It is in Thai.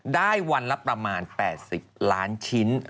วันละประมาณ๘๐ล้านชิ้น